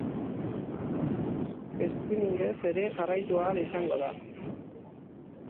Streamingez ere jarraitu ahal izango da.